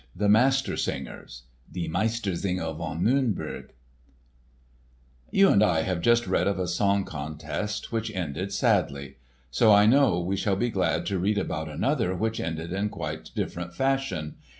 *The Master Singers* (Die Meistersinger von Nürnberg) You and I have just read of a song contest which ended sadly; so I know we shall be glad to read about another which ended in quite different fashion.